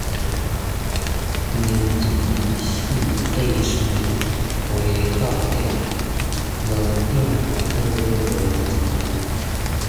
人情世事陪到到，無鼎閣無灶